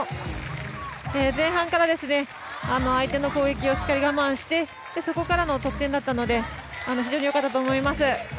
前半から、相手の攻撃をしっかり我慢してそこからの得点だったので非常によかったと思います。